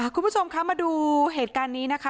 คุณผู้ชมคะมาดูเหตุการณ์นี้นะคะ